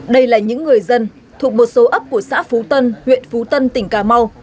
đây là những người dân thuộc một số ấp của xã phú tân huyện phú tân tỉnh cà mau